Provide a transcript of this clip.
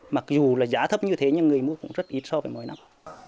mặc dù là giá thấp như thế nhưng người mua cũng rất ít so với mỗi năm